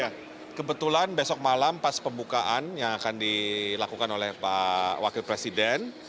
ya kebetulan besok malam pas pembukaan yang akan dilakukan oleh pak wakil presiden